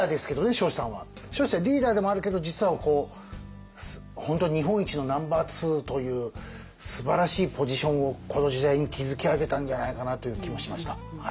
彰子さんリーダーでもあるけど実は本当に日本一のナンバーツーというすばらしいポジションをこの時代に築き上げたんじゃないかなという気もしました。